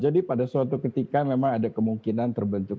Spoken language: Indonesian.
jadi pada suatu ketika memang ada kemungkinan terbentuk